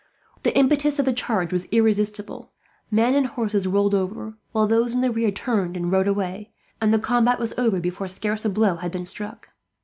The impetus of the charge was irresistible. Men and horses rolled over, while those in the rear turned and rode away; and the combat was over before scarce a blow had been struck.